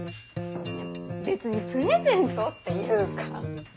別にプレゼントっていうか。